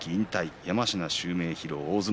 山科襲名披露大相撲